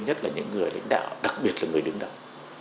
nhất là những người lãnh đạo đặc biệt là người đứng đầu